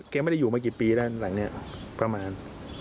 ไม่ได้อยู่มากี่ปีแล้วหลังนี้ประมาณ